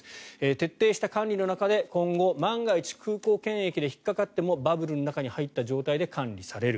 徹底した管理の中で今後、万が一空港検疫で引っかかってもバブルの中に入った状態で管理される。